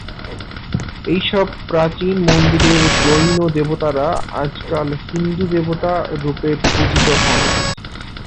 এই সব প্রাচীন মন্দিরের জৈন দেবতারা আজকাল হিন্দু দেবতা রূপে পূজিত হন।